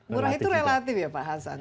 murah itu relatif ya pak hasan